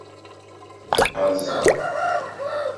Ad ẓreɣ.